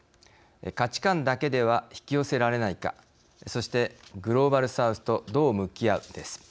価値観だけでは引き寄せられないかそしてグローバル・サウスとどう向き合うです。